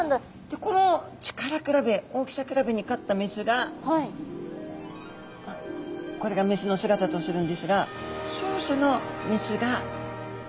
でこの力比べ大きさ比べに勝ったメスがこれがメスの姿とするんですが勝者のメスが。